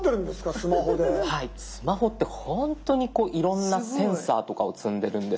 スマホってほんとにこういろんなセンサーとかを積んでるんです。